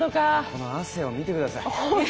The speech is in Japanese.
この汗を見て下さい。